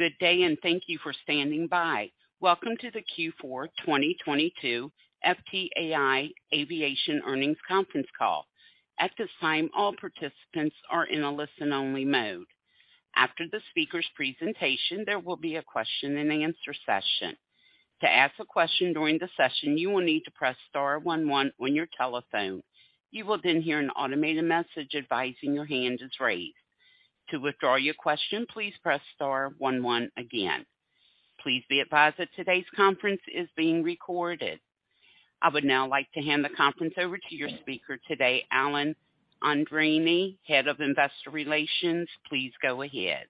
Good day. Thank you for standing by. Welcome to the Q4 2022 FTAI Aviation Earnings Conference Call. At this time, all participants are in a listen-only mode. After the speaker's presentation, there will be a question-and-answer session. To ask a question during the session, you will need to press star one one on your telephone. You will hear an automated message advising your hand is raised. To withdraw your question, please press star one one again. Please be advised that today's conference is being recorded. I would now like to hand the conference over to your speaker today, Alan Andreini, Head of Investor Relations. Please go ahead.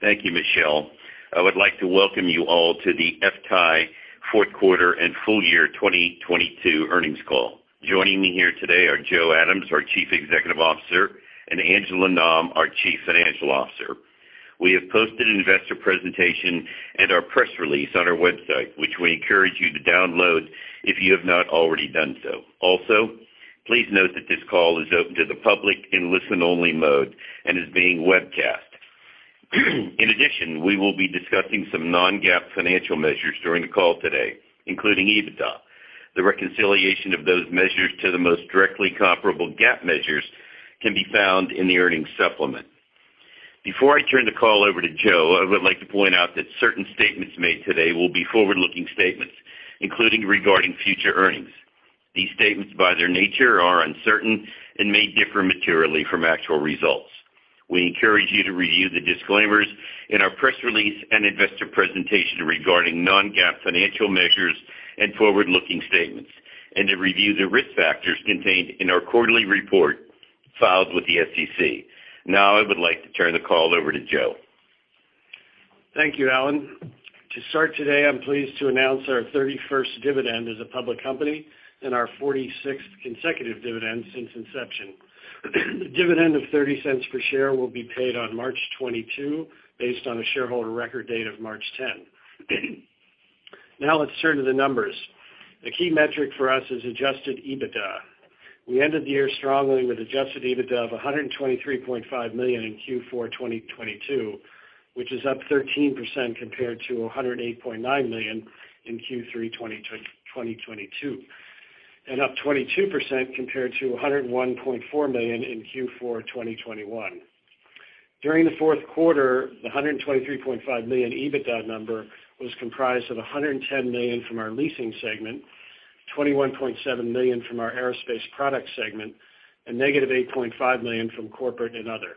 Thank you, Michelle. I would like to welcome you all to the FTAI fourth quarter and full year 2022 earnings call. Joining me here today are Joe Adams, our Chief Executive Officer, and Angela Nam, our Chief Financial Officer. We have posted an investor presentation and our press release on our website, which we encourage you to download if you have not already done so. Please note that this call is open to the public in listen-only mode and is being webcast. We will be discussing some non-GAAP financial measures during the call today, including EBITDA. The reconciliation of those measures to the most directly comparable GAAP measures can be found in the earnings supplement. Before I turn the call over to Joe, I would like to point out that certain statements made today will be forward-looking statements, including regarding future earnings. These statements, by their nature, are uncertain and may differ materially from actual results. We encourage you to review the disclaimers in our press release and investor presentation regarding non-GAAP financial measures and forward-looking statements, and to review the risk factors contained in our quarterly report filed with the SEC. I would like to turn the call over to Joe. Thank you, Alan. To start today, I'm pleased to announce our 31st dividend as a public company and our 46th consecutive dividend since inception. The dividend of 0.30 per share will be paid on March 22, based on a shareholder record date of March 10. Let's turn to the numbers. The key metric for us is adjusted EBITDA. We ended the year strongly with adjusted EBITDA of $123.5 million in Q4 2022, which is up 13% compared to 108.9 million in Q3 2022, and up 22% compared to 101.4 million in Q4 2021. During the fourth quarter, the 123.5 million EBITDA number was comprised of110 million from our leasing segment, 21.7 million from our aerospace products segment, and negative 8.5 million from corporate and other.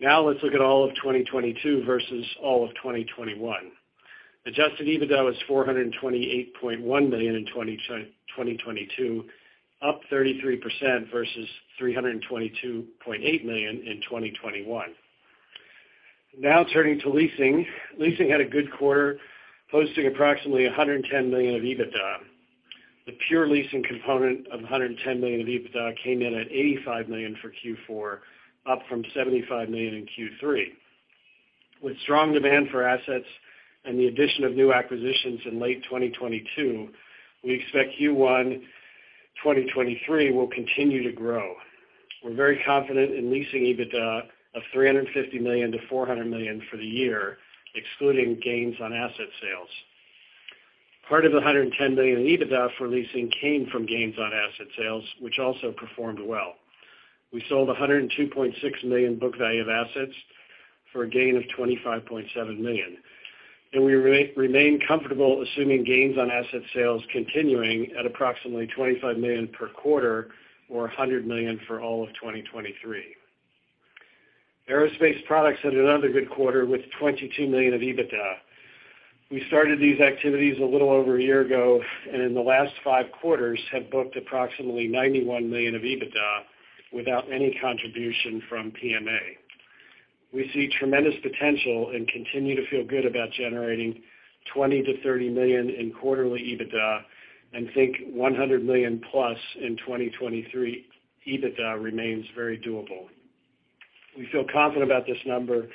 Let's look at all of 2022 versus all of 2021. Adjusted EBITDA was 428.1 million in 2022, up 33% versus 322.8 million in 2021. Turning to leasing. Leasing had a good quarter, posting approximately 110 million of EBITDA. The pure leasing component of 110 million of EBITDA came in at 85 million for Q4, up from 75 million in Q3. With strong demand for assets and the addition of new acquisitions in late 2022, we expect Q1 2023 will continue to grow. We're very confident in leasing EBITDA of 350 million-400 million for the year, excluding gains on asset sales. Part of the 110 million in EBITDA for leasing came from gains on asset sales, which also performed well. We sold 102.6 million book value of assets for a gain of 25.7 million, we remain comfortable assuming gains on asset sales continuing at approximately 25 million per quarter or 100 million for all of 2023. Aerospace products had another good quarter with 22 million of EBITDA. We started these activities a little over a year ago, in the last five quarters have booked approximately 91 million of EBITDA without any contribution from PMA. We see tremendous potential and continue to feel good about generating 20 million-30 million in quarterly EBITDA and think 100 million-plus in 2023 EBITDA remains very doable. We feel confident about this number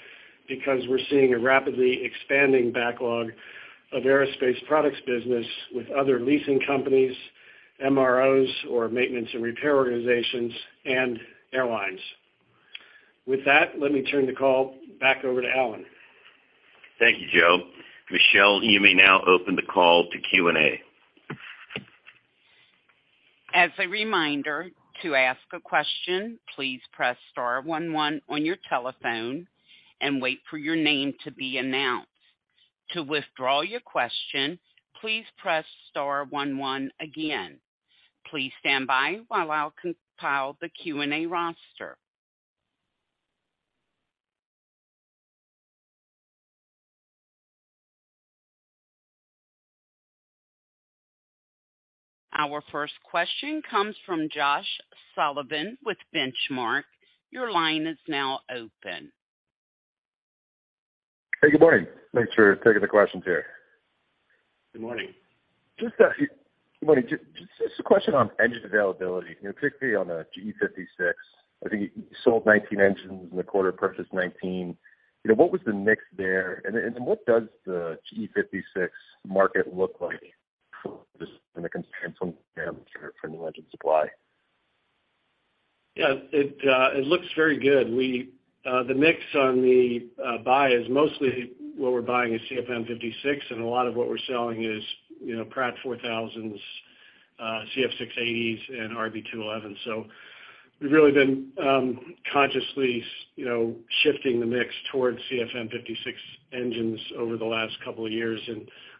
because we're seeing a rapidly expanding backlog of aerospace products business with other leasing companies, MROs or maintenance and repair organizations, and airlines. With that, let me turn the call back over to Alan. Thank you, Joe. Michelle, you may now open the call to Q&A. As a reminder, to ask a question, please press star 11 on your telephone and wait for your name to be announced. To withdraw your question, please press star 11 again. Please stand by while I'll compile the Q&A roster. Our first question comes from Josh Sullivan with Benchmark. Your line is now open. Hey, good morning. Thanks for taking the questions here. Good morning. Just good morning. Just a question on engine availability, you know, particularly on the CFM56. I think you sold 19 engines in the quarter, purchased 19. You know, what was the mix there? What does the CFM56 market look like from the constraints on new engine supply? Yeah, it looks very good. We, the mix on the buy is mostly what we're buying is CFM56, and a lot of what we're selling is, you know, PW4000s, CF6-80s and RB211s. We've really been consciously, you know, shifting the mix towards CFM56 engines over the last couple of years.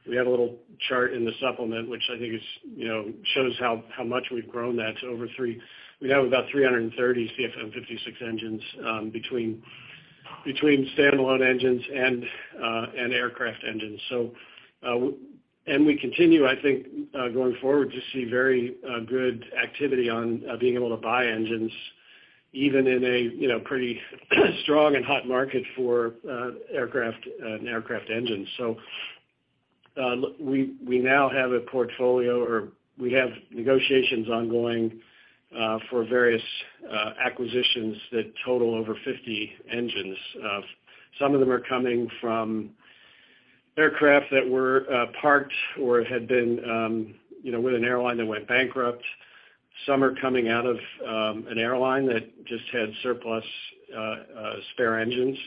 We had a little chart in the supplement, which I think is, you know, shows how much we've grown that to over 330 CFM56 engines, between standalone engines and aircraft engines. We continue, I think, going forward to see very good activity on being able to buy engines even in a, you know, pretty strong and hot market for aircraft and aircraft engines. We, we now have a portfolio, or we have negotiations ongoing for various acquisitions that total over 50 engines of. Some of them are coming from aircraft that were parked or had been, you know, with an airline that went bankrupt. Some are coming out of an airline that just had surplus spare engines.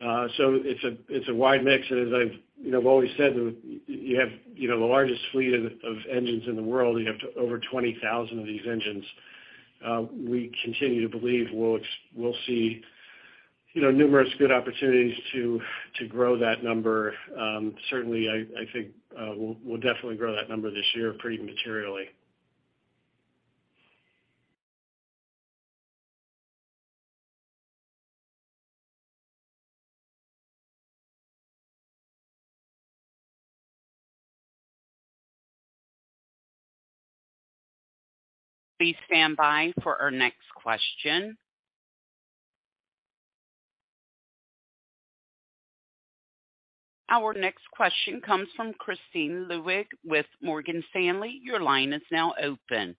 It's a, it's a wide mix. As I've, you know, always said, you have, you know, the largest fleet of engines in the world. You have over 20,000 of these engines. We continue to believe we'll see, you know, numerous good opportunities to grow that number. Certainly I think, we'll definitely grow that number this year pretty materially. Please stand by for our next question. Our next question comes from Kristine Liwag with Morgan Stanley. Your line is now open.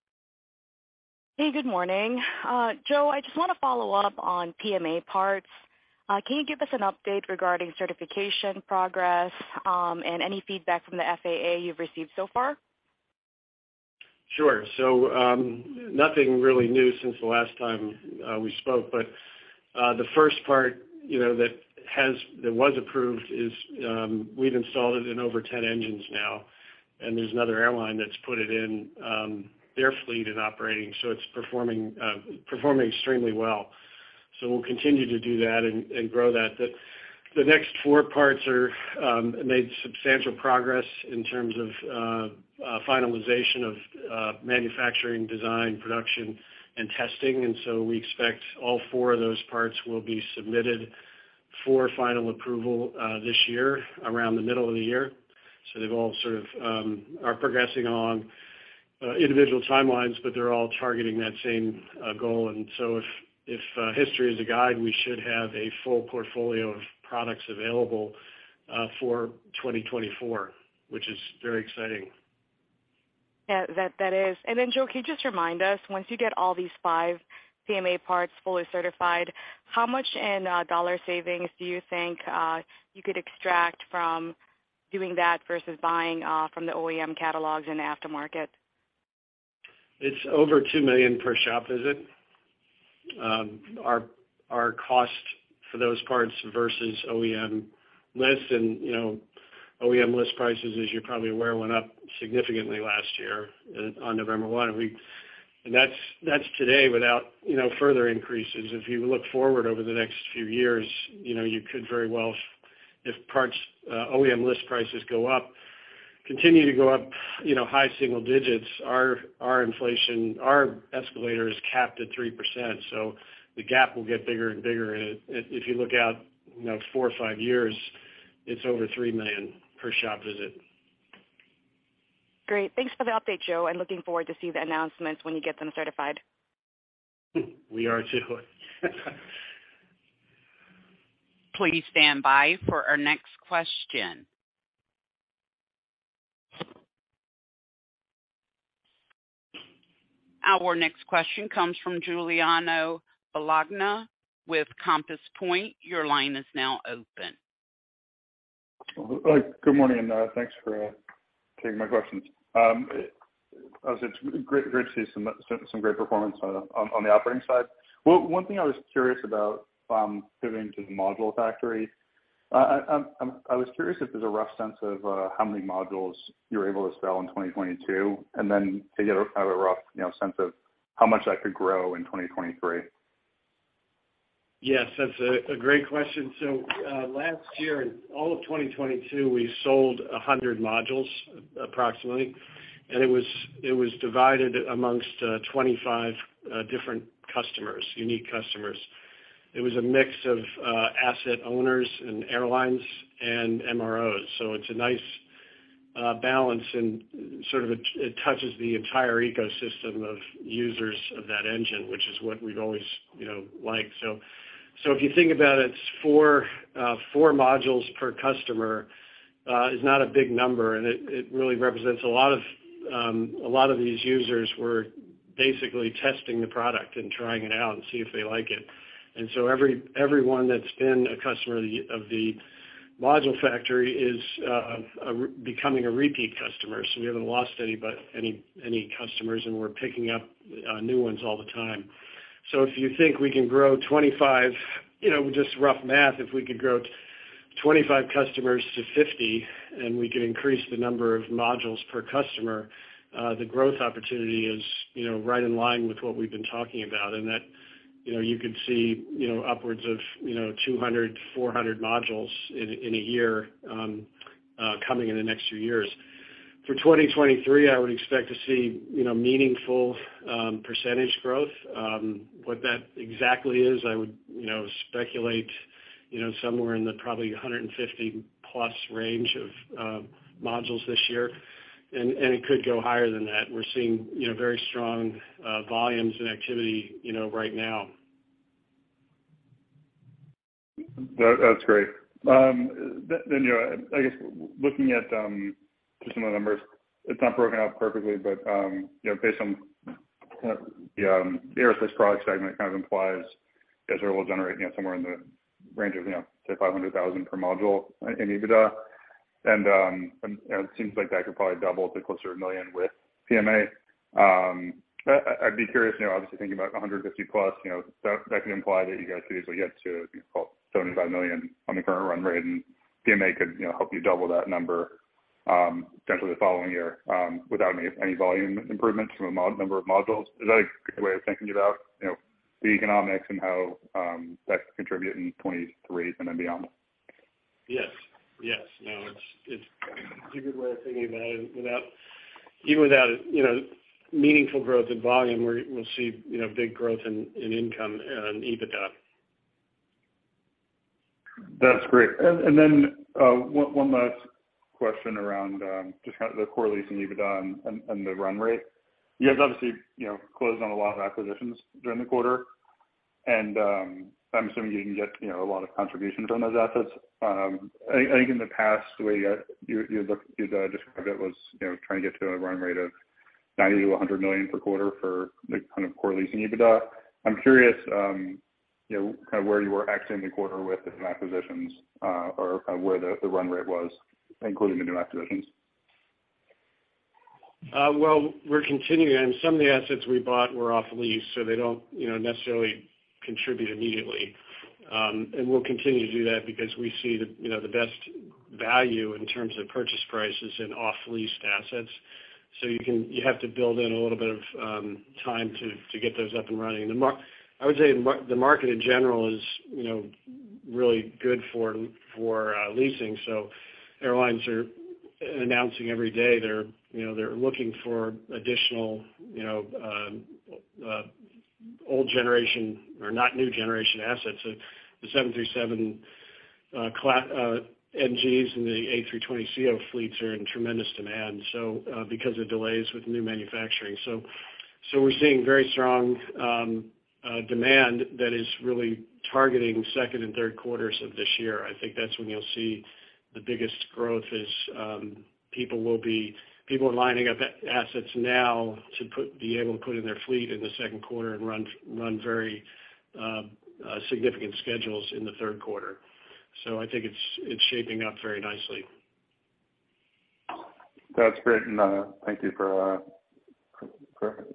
Hey, good morning. Joe, I just wanna follow up on PMA parts. Can you give us an update regarding certification progress, and any feedback from the FAA you've received so far? Sure. Nothing really new since the last time we spoke, but the first part, you know, that was approved is, we've installed it in over 10 engines now, and there's another airline that's put it in their fleet and operating, it's performing extremely well. We'll continue to do that and grow that. The next four parts are made substantial progress in terms of finalization of manufacturing, design, production, and testing. We expect all four of those parts will be submitted for final approval this year around the middle of the year. They've all sort of are progressing along individual timelines, but they're all targeting that same goal. If history is a guide, we should have a full portfolio of products available for 2024, which is very exciting. Yeah, that is. Then, Joe, can you just remind us, once you get all these five PMA parts fully certified, how much in dollar savings do you think you could extract from doing that versus buying from the OEM catalogs in the aftermarket? It's over $2 million per shop visit. Our cost for those parts versus OEM lists and OEM list prices, as you're probably aware, went up significantly last year on November 1. That's today without further increases. If you look forward over the next few years, you could very well, if parts, OEM list prices go up, continue to go up high single digits, our inflation, our escalator is capped at 3%, so the gap will get bigger and bigger. If you look out four or five years, it's over 3 million per shop visit. Great. Thanks for the update, Joe, and looking forward to see the announcements when you get them certified. We are too. Please stand by for our next question. Our next question comes from Giuliano Bologna with Compass Point. Your line is now open. Good morning, and thanks for taking my questions. I would say it's great to see some great performance on the operating side. One thing I was curious about, pivoting to the Module Factory, I was curious if there's a rough sense of how many modules you're able to sell in 2022, then to get a kind of a rough, you know, sense of how much that could grow in 2023. Yes, that's a great question. Last year, in all of 2022, we sold 100 modules approximately, and it was divided amongst 25 different customers, unique customers. It was a mix of asset owners and airlines and MROs, so it's a nice balance and sort of it touches the entire ecosystem of users of that engine, which is what we've always, you know, liked. If you think about it's four modules per customer is not a big number, and it really represents a lot of these users were basically testing the product and trying it out and see if they like it. Everyone that's been a customer of the Module Factory is becoming a repeat customer. We haven't lost any customers, and we're picking up new ones all the time. If you think we can grow 25, you know, just rough math, if we could grow 25 customers to 50 and we could increase the number of modules per customer, the growth opportunity is, you know, right in line with what we've been talking about, and that, you know, you could see, you know, upwards of, you know, 200, 400 modules in a year, coming in the next few years. For 2023, I would expect to see, you know, meaningful percentage growth. What that exactly is, I would, you know, speculate, you know, somewhere in the probably 150+ range of modules this year. And it could go higher than that. We're seeing, you know, very strong volumes and activity, you know, right now. That's great. You know, I guess looking at just some of the numbers, it's not broken out perfectly but, you know, based on the aerospace product segment kind of implies you guys are all generating somewhere in the range of, you know, say, 500,000 per module in EBITDA. It seems like that could probably double to closer to 1 million with PMA. I'd be curious, you know, obviously thinking about 150+, you know, that can imply that you guys typically get to, call it, 75 million on the current run rate, and PMA could, you know, help you double that number potentially the following year without any volume improvements from a number of modules. Is that a good way of thinking about, you know, the economics and how that could contribute in 2023 and then beyond? Yes. No, it's a good way of thinking about it. Without, even without, you know, meaningful growth in volume, we'll see, you know, big growth in income and EBITDA. That's great. One last question around just kind of the core leasing EBITDA and the run rate. You guys obviously, you know, closed on a lot of acquisitions during the quarter, and I'm assuming you didn't get, you know, a lot of contribution from those assets. I think in the past, the way you described it was, you know, trying to get to a run rate of 90 million-100 million per quarter for the kind of core leasing EBITDA. I'm curious, you know, kind of where you were exiting the quarter with those acquisitions, or kind of where the run rate was, including the new acquisitions. Well, we're continuing. Some of the assets we bought were off-lease, so they don't, you know, necessarily contribute immediately. We'll continue to do that because we see the, you know, the best value in terms of purchase prices in off-leased assets. You have to build in a little bit of time to get those up and running. I would say the market in general is, you know, really good for leasing. Airlines are announcing every day they're, you know, they're looking for additional, you know, old generation or not new generation assets. The 737 NGs and the A320ceo fleets are in tremendous demand because of delays with new manufacturing. We're seeing very strong demand that is really targeting second and third quarters of this year. I think that's when you'll see the biggest growth is people are lining up assets now to be able to put in their fleet in the second quarter and run very significant schedules in the third quarter. I think it's shaping up very nicely. That's great. Thank you for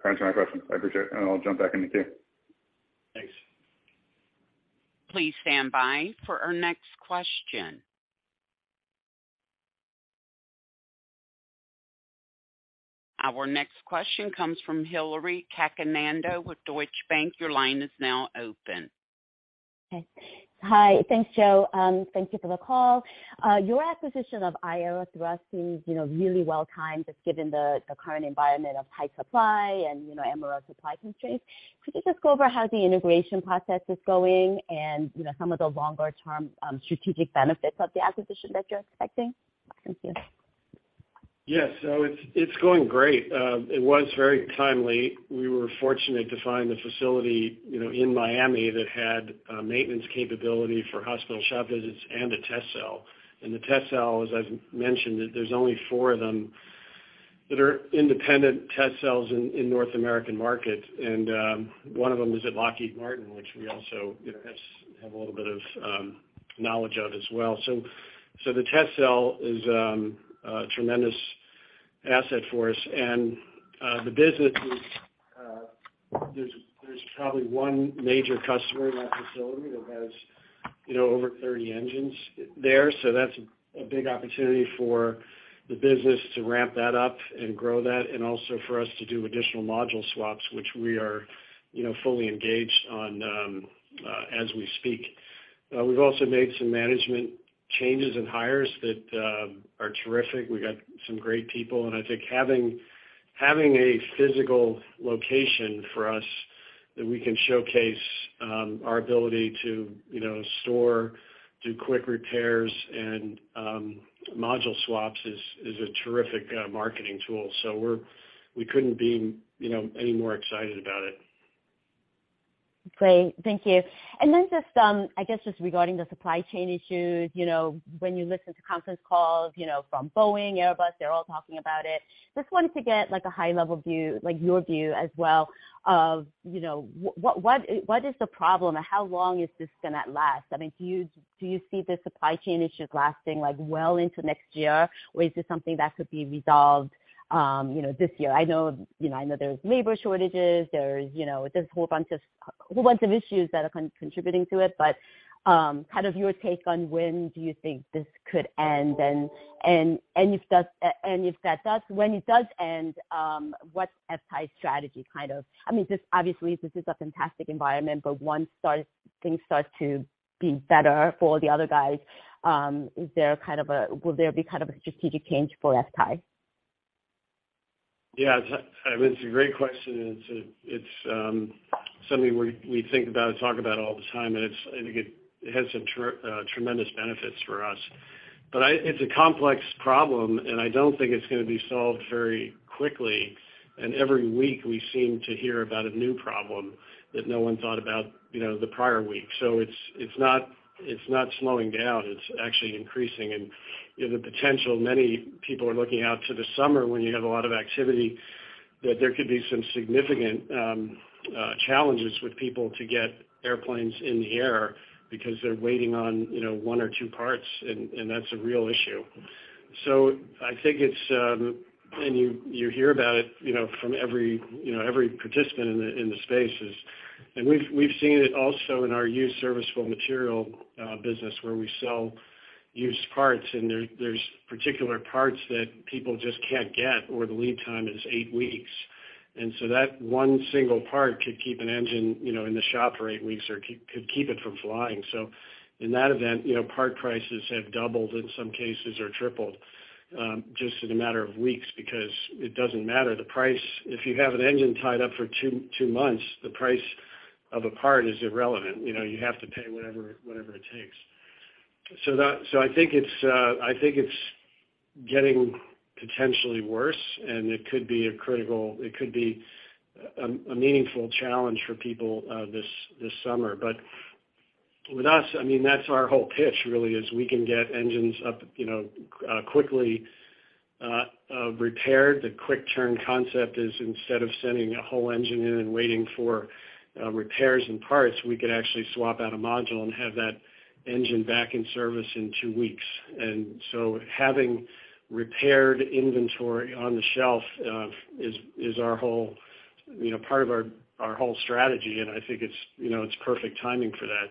answering my question. I appreciate it, and I'll jump back in the queue. Thanks. Please stand by for our next question. Our next question comes from Hillary Cacanando with Deutsche Bank. Your line is now open. Okay. Hi. Thanks, Joe. Thank you for the call. Your acquisition of AeroThrust seems, you know, really well-timed, just given the current environment of high supply and, you know, MRO supply constraints. Could you just go over how the integration process is going and, you know, some of the longer-term strategic benefits of the acquisition that you're expecting? Thank you. Yes. it's going great. it was very timely. We were fortunate to find the facility, you know, in Miami that had a maintenance capability for hospital shop visits and a test cell. The test cell, as I've mentioned, there's only four of them that are independent test cells in North American market. One of them is at Lockheed Martin, which we also, you know, have a little bit of knowledge of as well. The test cell is a tremendous asset for us. The business is, there's probably one major customer in that facility that has, you know, over 30 engines there. That's a big opportunity for the business to ramp that up and grow that, and also for us to do additional module swaps, which we are, you know, fully engaged on, as we speak. We've also made some management changes and hires that are terrific. We got some great people. I think having a physical location for us that we can showcase our ability to, you know, store, do quick repairs and module swaps is a terrific marketing tool. We couldn't be, you know, any more excited about it. Great. Thank you. Just, I guess just regarding the supply chain issues, you know, when you listen to conference calls, you know, from Boeing, Airbus, they're all talking about it. Just wanted to get like a high level view, like your view as well of, you know, what is the problem and how long is this gonna last? I mean, do you see the supply chain issues lasting like well into next year? Or is this something that could be resolved, you know, this year? I know, you know, I know there's labor shortages. There's, you know, there's a whole bunch of issues that are contributing to it. kind of your take on when do you think this could end and if does, and if that does, when it does end, what's FTAI's strategy kind of? I mean, just obviously this is a fantastic environment, once things start to be better for the other guys, will there be kind of a strategic change for FTAI? Yeah. It's, I mean, it's a great question, and it's a, it's something we think about and talk about all the time, and it's, I think it has some tremendous benefits for us. I, it's a complex problem, and I don't think it's gonna be solved very quickly. Every week, we seem to hear about a new problem that no one thought about, you know, the prior week. It's, it's not, it's not slowing down. It's actually increasing. You know, the potential, many people are looking out to the summer when you have a lot of activity, that there could be some significant challenges with people to get airplanes in the air because they're waiting on, you know, one or two parts, and that's a real issue. I think it's, and you hear about it, you know, from every participant in the space is. We've seen it also in our used serviceable material business where we sell used parts, and there's particular parts that people just can't get, or the lead time is eight weeks. That 1 single part could keep an engine, you know, in the shop for eight weeks or could keep it from flying. In that event, you know, part prices have doubled in some cases or tripled just in a matter of weeks because it doesn't matter the price. If you have an engine tied up for two months, the price of a part is irrelevant. You know, you have to pay whatever it takes. I think it's getting potentially worse, and it could be a critical, it could be a meaningful challenge for people this summer. With us, I mean, that's our whole pitch really is we can get engines up, you know, quickly repaired. The quick turn concept is instead of sending a whole engine in and waiting for repairs and parts, we could actually swap out a module and have that engine back in service in two weeks. Having repaired inventory on the shelf, is our whole, you know, part of our whole strategy. I think it's, you know, it's perfect timing for that.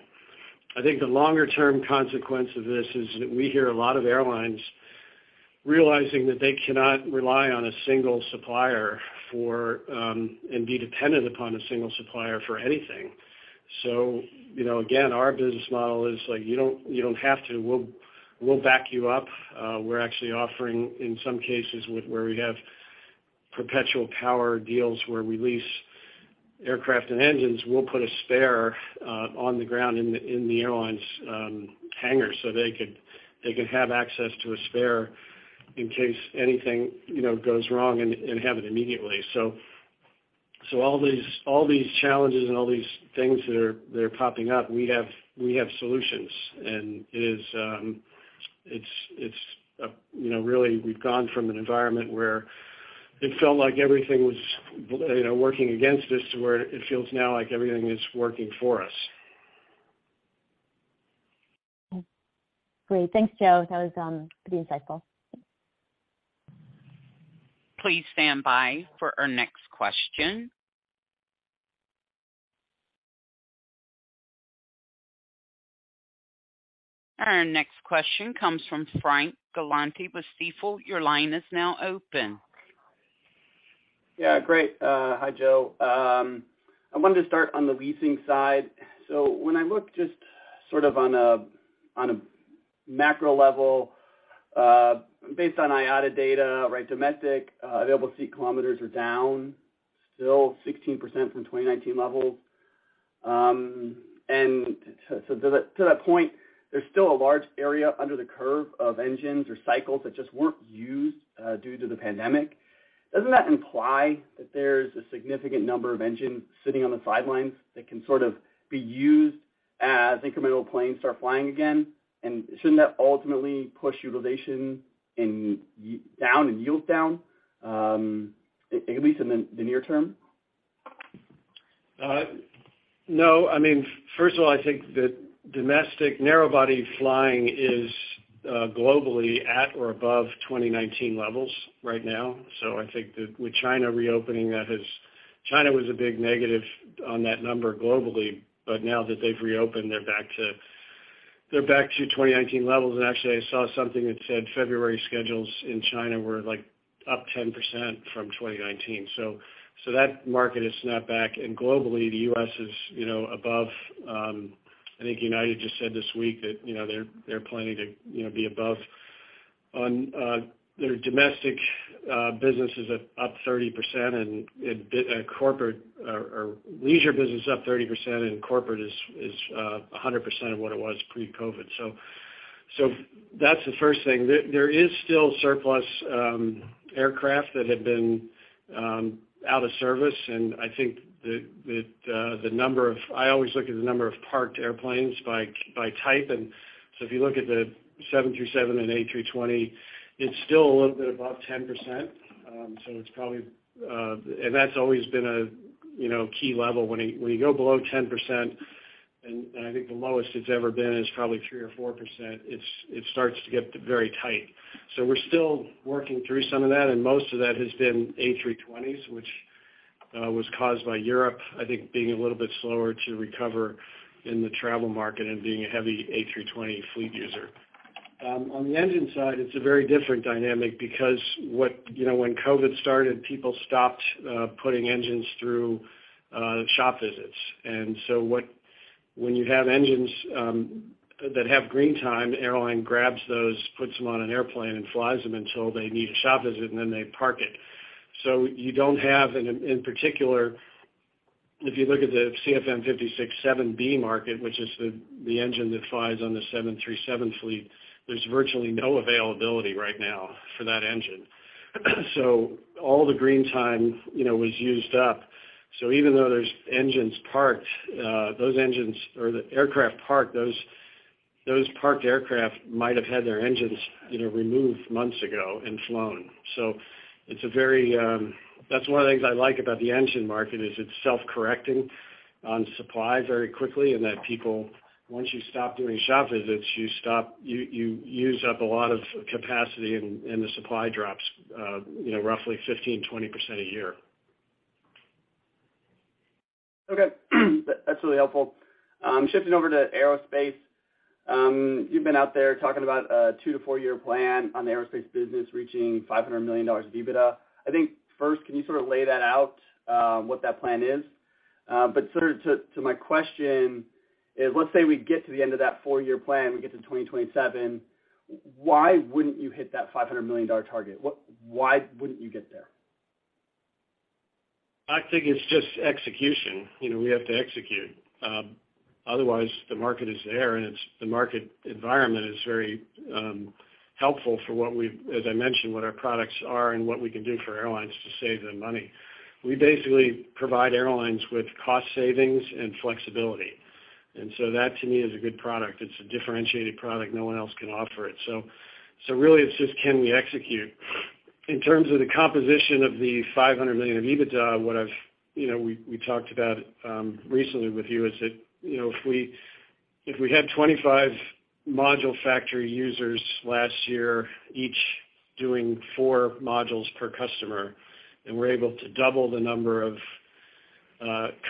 I think the longer term consequence of this is that we hear a lot of airlines realizing that they cannot rely on a single supplier for and be dependent upon a single supplier for anything. You know, again, our business model is like, you don't have to. We'll back you up. We're actually offering, in some cases with where we have Perpetual Power deals where we lease aircraft and engines, we'll put a spare on the ground in the airline's hangar, so they could have access to a spare in case anything, you know, goes wrong and have it immediately. All these challenges and all these things that are popping up, we have solutions. It is, it's, you know, really we've gone from an environment where it felt like everything was, you know, working against us to where it feels now like everything is working for us. Great. Thanks, Joe. That was pretty insightful. Please stand by for our next question. Our next question comes from Frank Galanti with Stifel. Your line is now open. Yeah, great. Hi, Joe. I wanted to start on the leasing side. When I look just sort of on a macro level, based on IATA data, right, domestic available seat kilometers are down still 16% from 2019 levels. To that point, there's still a large area under the curve of engines or cycles that just weren't used due to the pandemic. Doesn't that imply that there's a significant number of engines sitting on the sidelines that can sort of be used as incremental planes start flying again? Shouldn't that ultimately push utilization down, and yields down, at least in the near term? No. I mean, first of all, I think that domestic narrow body flying is globally at or above 2019 levels right now. I think that with China reopening, China was a big negative on that number globally, but now that they've reopened, they're back to 2019 levels. Actually, I saw something that said February schedules in China were like up 10% from 2019. That market has snapped back. Globally, the U.S. is, you know, above, I think United just said this week that, you know, they're planning to, you know, be above on their domestic business is at up 30%, and corporate or leisure business is up 30%, and corporate is 100% of what it was pre-COVID. That's the first thing. There is still surplus aircraft that have been out of service, and I think that I always look at the number of parked airplanes by type. If you look at the 737 and A320, it's still a little bit above 10%. It's probably. That's always been a, you know, key level. When you go below 10%, and I think the lowest it's ever been is probably 3% or 4%, it starts to get very tight. We're still working through some of that, and most of that has been A320s, which was caused by Europe, I think, being a little bit slower to recover in the travel market and being a heavy A320 fleet user. On the engine side, it's a very different dynamic because, you know, when COVID started, people stopped putting engines through shop visits. When you have engines that have green time, airline grabs those, puts them on an airplane, and flies them until they need a shop visit, and then they park it. You don't have, and in particular, if you look at the CFM56-7B market, which is the engine that flies on the 737 fleet, there's virtually no availability right now for that engine. All the green time, you know, was used up. Even though there's engines parked, those engines or the aircraft parked, those parked aircraft might have had their engines, you know, removed months ago and flown. It's a very... That's one of the things I like about the engine market, is it's self-correcting on supply very quickly, and that people, once you stop doing shop visits, you use up a lot of capacity and the supply drops, you know, roughly 15%, 20% a year. Okay. That's really helpful. Shifting over to aerospace. You've been out there talking about a two-four year plan on the aerospace business reaching $500 million of EBITDA. I think first, can you sort of lay that out, what that plan is? sort of to my question is, let's say we get to the end of that four year plan, we get to 2027, why wouldn't you hit that $500 million target? Why wouldn't you get there? I think it's just execution. You know, we have to execute. Otherwise, the market is there, the market environment is very helpful for what we've, as I mentioned, what our products are and what we can do for airlines to save them money. We basically provide airlines with cost savings and flexibility. That to me is a good product. It's a differentiated product. No one else can offer it. Really it's just can we execute? In terms of the composition of the 500 million of EBITDA, what I've, you know, we talked about recently with you is that, you know, if we had 25 Module Factory users last year, each doing four modules per customer, and we're able to double the number of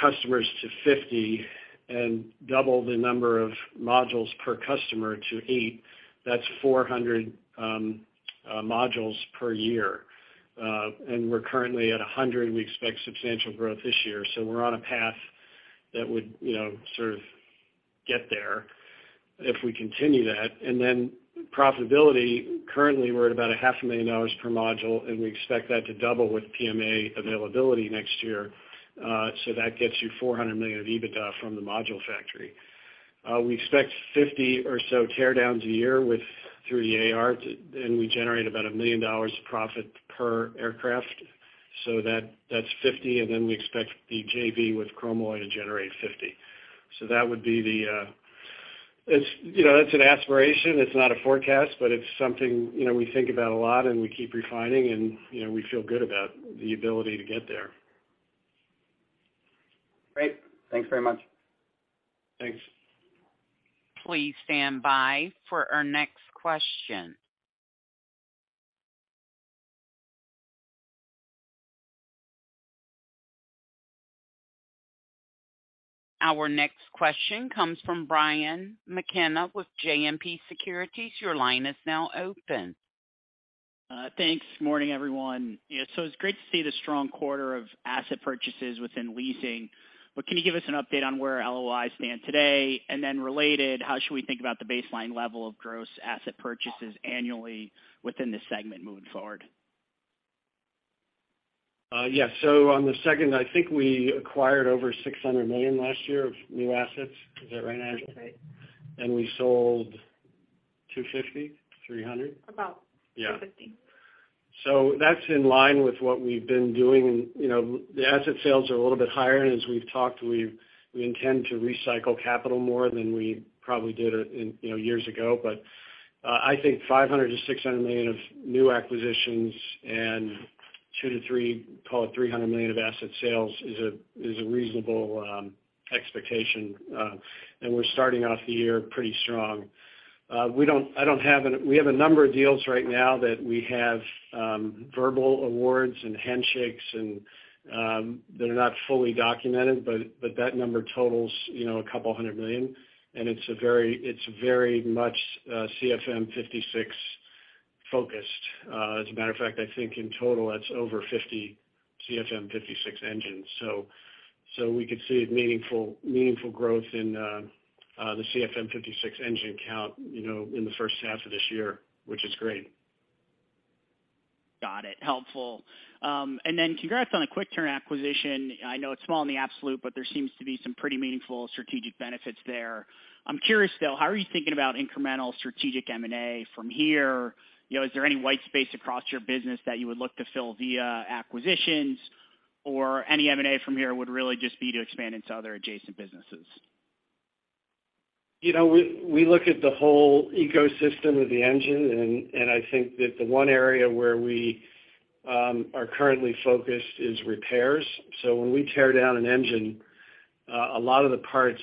customers to 50 and double the number of modules per customer to eight, that's 400 modules per year. We're currently at 100. We expect substantial growth this year. We're on a path that would, you know, sort of get there if we continue that. Profitability, currently we're at about a half a million dollars per module, and we expect that to double with PMA availability next year. That gets you 400 million of EBITDA from the Module Factory. We expect 50 or so tear downs a year with, through iAero, and we generate about $1 million of profit per aircraft. That's 50. Then we expect the JV with Chromalloy to generate 50. That would be the. It's, you know, that's an aspiration. It's not a forecast, but it's something, you know, we think about a lot, and we keep refining, and, you know, we feel good about the ability to get there. Great. Thanks very much. Thanks. Please stand by for our next question. Our next question comes from Brian McKenna with JMP Securities. Your line is now open. Thanks. Morning, everyone. It's great to see the strong quarter of asset purchases within leasing. Can you give us an update on where LOIs stand today? Related, how should we think about the baseline level of gross asset purchases annually within the segment moving forward? Yeah. On the second, I think we acquired over 600 million last year of new assets. Is that right, Nigel? That's right. We sold 250, 300? About 2.50. That's in line with what we've been doing. You know, the asset sales are a little bit higher. As we've talked, we intend to recycle capital more than we probably did in, you know, years ago. I think 500 million-600 million of new acquisitions and 200 million-300 million, call it 300 million of asset sales is a reasonable expectation. We're starting off the year pretty strong. We have a number of deals right now that we have verbal awards and handshakes and that are not fully documented, but that number totals, you know, 200 million. It's very much CFM56 focused. As a matter of fact, I think in total that's over 50 CFM56 engines. We could see meaningful growth in the CFM56 engine count, you know, in the first half of this year, which is great. Helpful. congrats on the QuickTurn acquisition. I know it's small in the absolute, but there seems to be some pretty meaningful strategic benefits there. I'm curious, though, how are you thinking about incremental strategic M&A from here? You know, is there any white space across your business that you would look to fill via acquisitions or any M&A from here would really just be to expand into other adjacent businesses? You know, we look at the whole ecosystem of the engine, and I think that the one area where we are currently focused is repairs. When we tear down an engine, a lot of the parts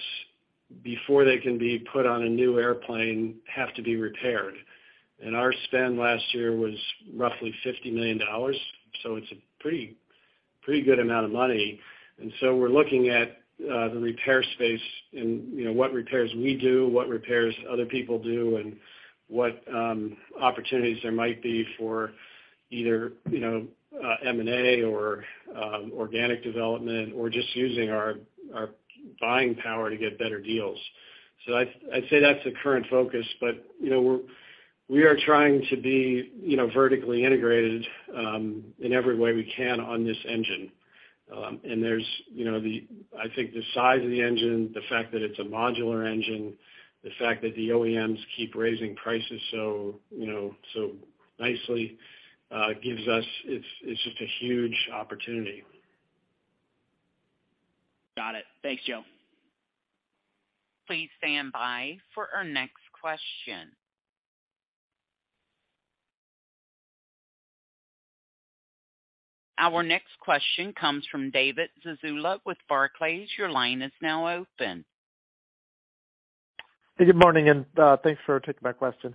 before they can be put on a new airplane have to be repaired. Our spend last year was roughly $50 million, so it's a pretty good amount of money. We're looking at the repair space and, you know, what repairs we do, what repairs other people do, and what opportunities there might be for either, you know, M&A or organic development or just using our buying power to get better deals. I'd say that's the current focus, but, you know, we are trying to be, you know, vertically integrated in every way we can on this engine. There's, you know, the, I think the size of the engine, the fact that it's a modular engine, the fact that the OEMs keep raising prices so, you know, so nicely, gives us... It's just a huge opportunity. Got it. Thanks, Joe. Please stand by for our next question. Our next question comes from David Zazula with Barclays. Your line is now open. Good morning. Thanks for taking my question.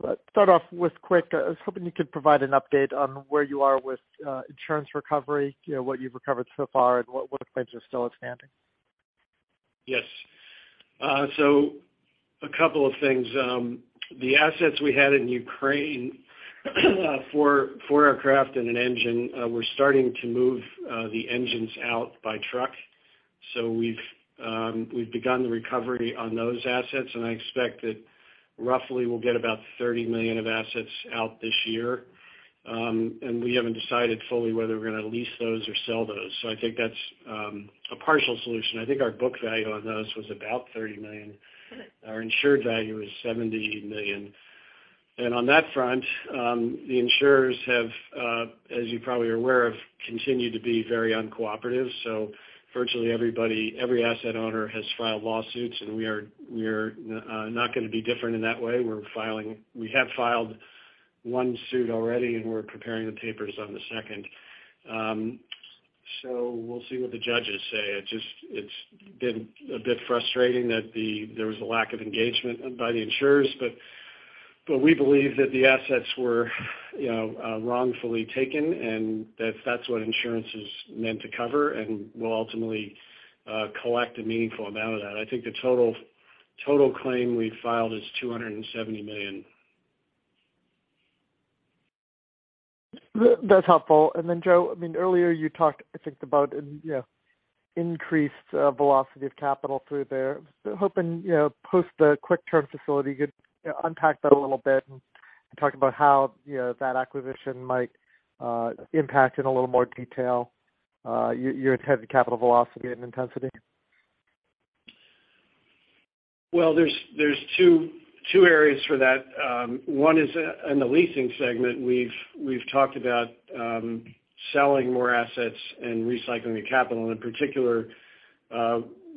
Let's start off with Quick. I was hoping you could provide an update on where you are with insurance recovery, you know, what you've recovered so far and what claims are still outstanding? Yes. A couple of things. The assets we had in Ukraine four aircraft and an engine, we're starting to move the engines out by truck. We've begun the recovery on those assets, and I expect that roughly we'll get about 30 million of assets out this year. And we haven't decided fully whether we're gonna lease those or sell those. I think that's a partial solution. I think our book value on those was about 30 million. Our insured value is 70 million. And on that front, the insurers have, as you probably are aware of, continued to be very uncooperative. Virtually everybody, every asset owner has filed lawsuits, and we are not gonna be different in that way. We have filed one suit already, and we're preparing the papers on the second. We'll see what the judges say. It's just, it's been a bit frustrating that there was a lack of engagement by the insurers. We believe that the assets were, you know, wrongfully taken, and that that's what insurance is meant to cover, and we'll ultimately collect a meaningful amount of that. I think the total claim we filed is 270 million. That's helpful. Joe, I mean, earlier you talked, I think, about you know, increased velocity of capital through there. I was hoping, you know, post the QuickTurn facility, you could, you know, unpack that a little bit and talk about how, you know, that acquisition might impact in a little more detail, your intended capital velocity and intensity. Well, there's two areas for that. One is in the leasing segment, we've talked about selling more assets and recycling the capital. In particular,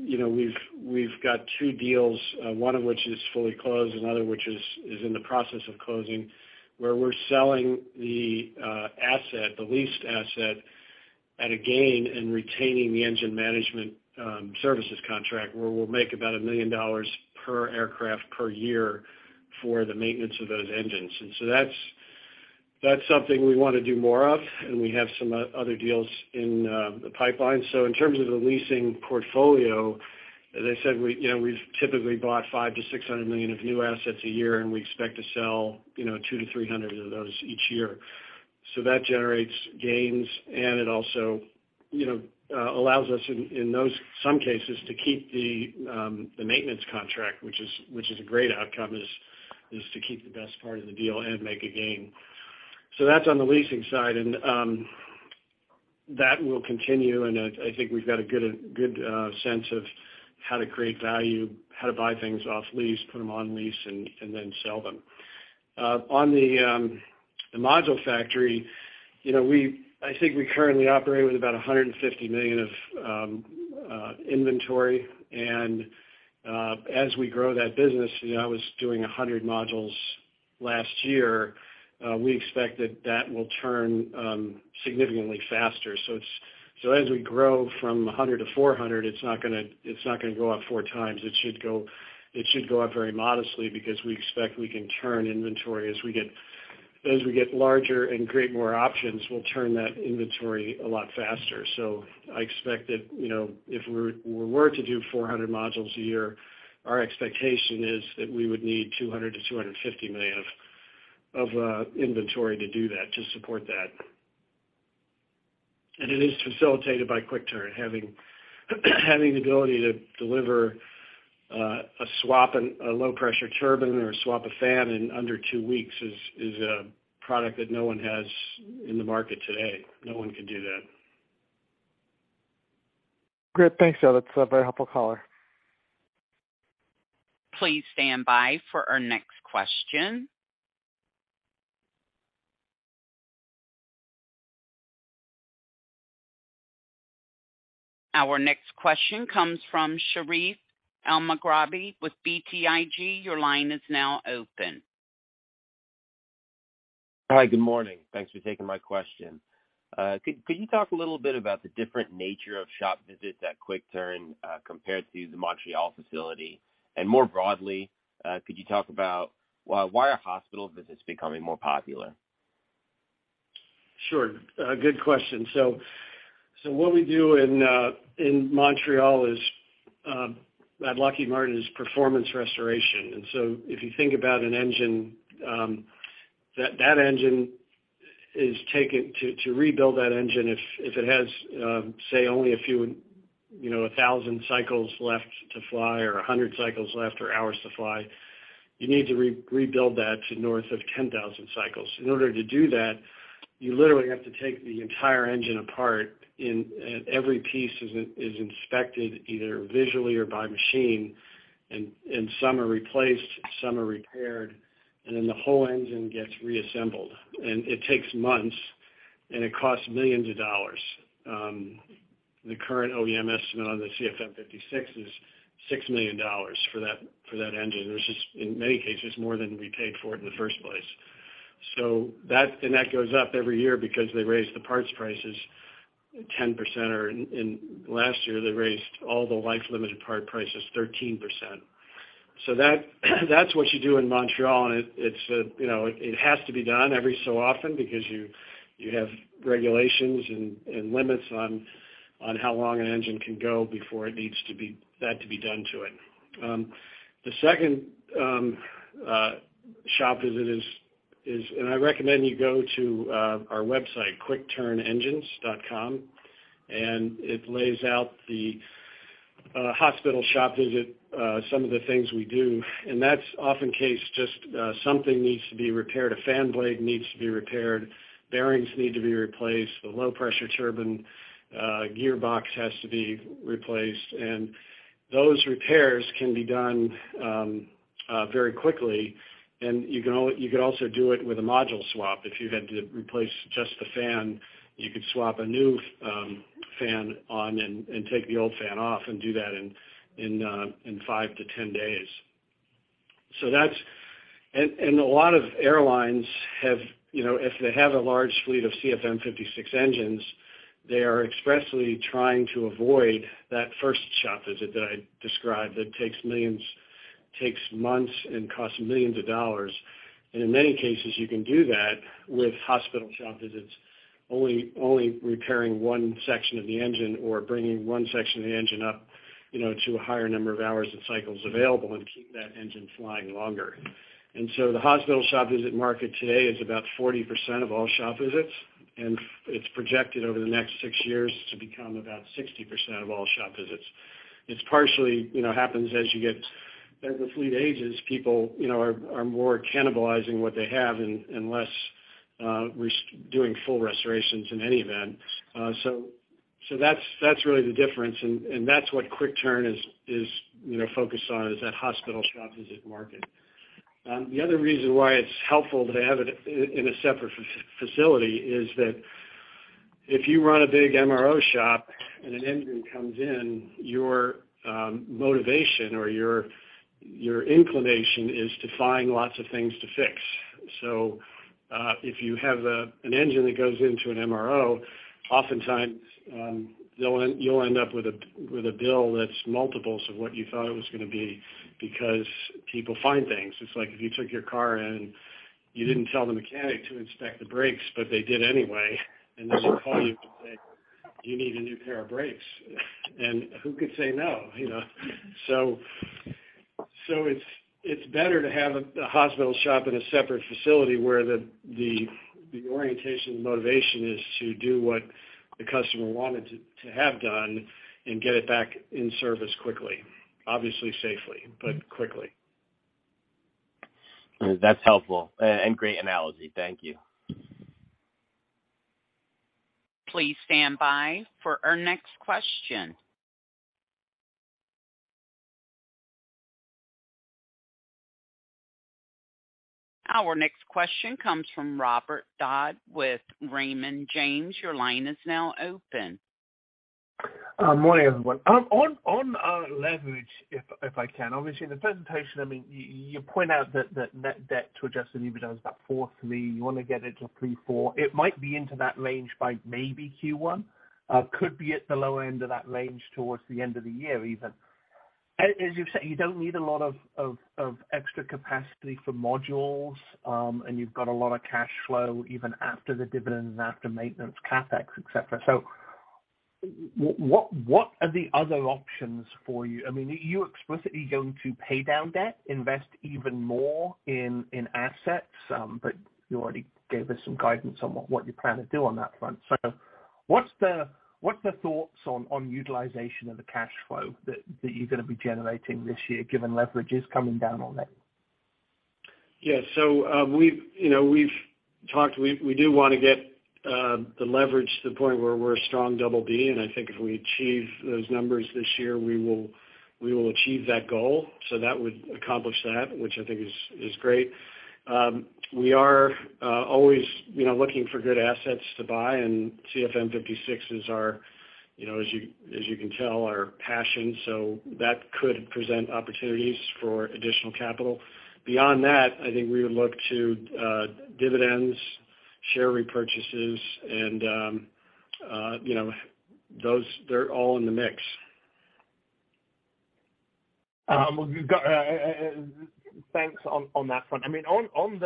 you know, we've got two deals, one of which is fully closed, another which is in the process of closing, where we're selling the asset, the leased asset at a gain and retaining the engine management services contract, where we'll make about $1 million per aircraft per year for the maintenance of those engines. So that's something we wanna do more of, and we have some other deals in the pipeline. In terms of the leasing portfolio, as I said, we've typically bought 500 million-600 million of new assets a year, and we expect to sell, you know, 200 million-300 million of those each year. That generates gains, and it also, you know, allows us in those some cases to keep the maintenance contract, which is a great outcome, is to keep the best part of the deal and make a gain. That's on the leasing side, and that will continue, and I think we've got a good sense of how to create value, how to buy things off lease, put them on lease, and then sell them. On the Module Factory, you know, we, I think we currently operate with about 150 million of inventory. As we grow that business, you know, I was doing 100 modules last year, we expect that that will turn significantly faster. As we grow from 100 to 400, it's not gonna, it's not gonna go up four times. It should go up very modestly because we expect we can turn inventory as we get larger and create more options, we'll turn that inventory a lot faster. I expect that, you know, if we were to do 400 modules a year, our expectation is that we would need 200 million-250 million of inventory to do that, to support that. It is facilitated by QuickTurn having the ability to deliver a swap and a low-pressure turbine or swap a fan in under two weeks is a product that no one has in the market today. No one can do that. Great. Thanks, Joe. That's a very helpful color. Please stand by for our next question. Our next question comes from Sharif El-Moghrabi with BTIG. Your line is now open. Hi. Good morning. Thanks for taking my question. Could you talk a little bit about the different nature of shop visits at QuickTurn, compared to the Montreal facility? More broadly, could you talk about why are hospital visits becoming more popular? Sure. Good question. What we do in Montreal is at Lockheed Martin is performance restoration. If you think about an engine, to rebuild that engine, if it has, say, only a few, you know, 1,000 cycles left to fly or 100 cycles left or hours to fly, you need to rebuild that to north of 10,000 cycles. In order to do that, you literally have to take the entire engine apart and every piece is inspected either visually or by machine, and some are replaced, some are repaired, and then the whole engine gets reassembled. It takes months, and it costs millions of dollars. The current OEM estimate on the CFM56 is $6 million for that engine, which is in many cases more than we paid for it in the first place. That goes up every year because they raise the parts prices 10% or last year, they raised all the life-limited part prices 13%. That's what you do in Montreal, and it's a, you know, it has to be done every so often because you have regulations and limits on how long an engine can go before it needs that to be done to it. The second shop visit is. I recommend you go to our website, quickturnengine.com, and it lays out the hospital shop visit, some of the things we do. That's often case just something needs to be repaired, a fan blade needs to be repaired, bearings need to be replaced, the low-pressure turbine gearbox has to be replaced. Those repairs can be done very quickly, and you could also do it with a module swap. If you had to replace just the fan, you could swap a new fan on and take the old fan off and do that in five-10 days. That's. A lot of airlines have, you know, if they have a large fleet of CFM56 engines, they are expressly trying to avoid that first shop visit that I described that takes millions, takes months and costs $ millions. In many cases, you can do that with hospital shop visits, only repairing one section of the engine or bringing one section of the engine up, you know, to a higher number of hours and cycles available and keep that engine flying longer. The hospital shop visit market today is about 40% of all shop visits, and it's projected over the next six years to become about 60% of all shop visits. It's partially, you know, happens as you get, as the fleet ages, people, you know, are more cannibalizing what they have and less doing full restorations in any event. So that's really the difference, and that's what QuickTurn is, you know, focused on is that hospital shop visit market. The other reason why it's helpful to have it in a separate facility is that if you run a big MRO shop and an engine comes in, your motivation or your inclination is to find lots of things to fix. If you have an engine that goes into an MRO, oftentimes, you'll end up with a bill that's multiples of what you thought it was gonna be because people find things. It's like if you took your car in, you didn't tell the mechanic to inspect the brakes, but they did anyway, and they will call you to say, "You need a new pair of brakes." Who could say no, you know? It's better to have a hospital shop in a separate facility where the orientation motivation is to do what the customer wanted to have done and get it back in service quickly. Obviously safely, quickly. That's helpful and great analogy. Thank you. Please stand by for our next question. Our next question comes from Robert Dodd with Raymond James. Your line is now open. Morning, everyone. on leverage, if I can. Obviously, in the presentation, I mean, you point out that net debt to adjusted EBITDA is about 4.3. You wanna get it to 3.4. It might be into that range by maybe Q1. Could be at the lower end of that range towards the end of the year even. As you've said, you don't need a lot of extra capacity for modules, and you've got a lot of cash flow even after the dividend and after maintenance, CapEx, et cetera. What are the other options for you? I mean, are you explicitly going to pay down debt, invest even more in assets? You already gave us some guidance on what you plan to do on that front. What's the thoughts on utilization of the cash flow that you're gonna be generating this year given leverage is coming down on it? Yes. We, you know, we do wanna get the leverage to the point where we're a strong double B, and I think if we achieve those numbers this year, we will achieve that goal. That would accomplish that, which I think is great. We are always, you know, looking for good assets to buy, CFM56 is our, you know, as you can tell, our passion. That could present opportunities for additional capital. Beyond that, I think we would look to dividends, share repurchases and, you know, they're all in the mix. Well, thanks on that front. I mean, on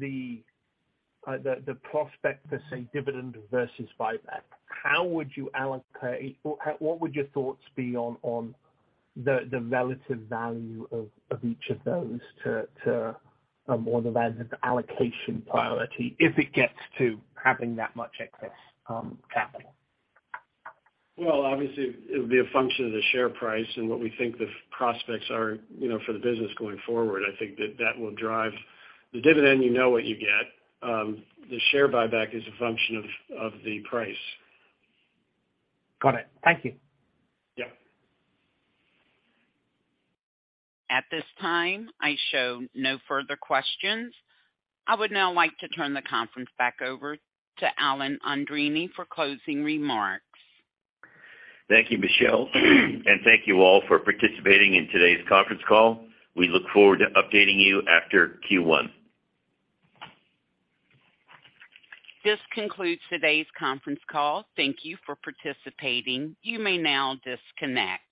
the prospect for, say, dividend versus buyback, what would your thoughts be on the relative value of each of those to, more of as an allocation priority if it gets to having that much excess capital? Well, obviously it would be a function of the share price and what we think the prospects are, you know, for the business going forward. I think that that will drive... The dividend, you know what you get. The share buyback is a function of the price. Got it. Thank you. Yeah. At this time, I show no further questions. I would now like to turn the conference back over to Alan Andreini for closing remarks. Thank you, Michelle. Thank you all for participating in today's conference call. We look forward to updating you after Q1. This concludes today's conference call. Thank you for participating. You may now disconnect.